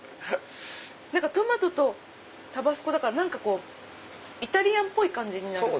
トマトとタバスコだからイタリアンっぽい感じになる。